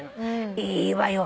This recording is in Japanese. いいわよ。